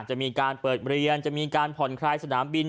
จะมีการเปิดเรียนจะมีการผ่อนคลายสนามบิน